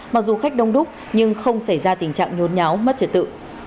mặc dù khách đông đúc nhưng không xảy ra tình trạng nhốn nháo mất trật tự